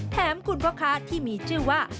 คุณพ่อค้าที่มีชื่อว่า